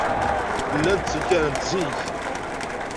Llant ttenkarent zik.